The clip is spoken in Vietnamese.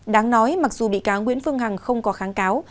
đáng nói mặc dù bị cáo nguyễn phương hằng không có kháng cáo